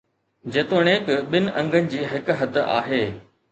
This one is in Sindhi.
جيتوڻيڪ ٻن انگن جي هڪ حد آهي.